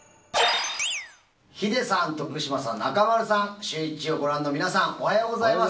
ヒデさん、徳島さん、中丸さん、シューイチをご覧の皆さん、おはようございます。